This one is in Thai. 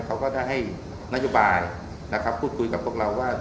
เขาก็ได้ให้นโยบายนะครับพูดคุยกับพวกเราว่า